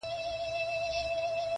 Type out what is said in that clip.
یو په یو یې ور حساب کړله ظلمونه-